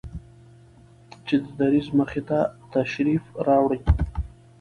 چې د دريځ مخې ته تشریف راوړي